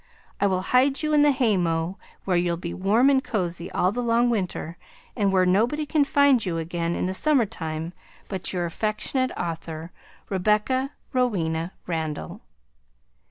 I will hide you in the haymow where you'll be warm and cosy all the long winter and where nobody can find you again in the summer time but your affectionate author, Rebecca Rowena Randall.